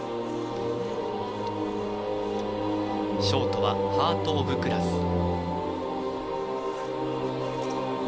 ショートは「ハート・オブ・グラス」。